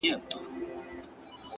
• پر جهان یې غوړېدلی سلطنت وو ,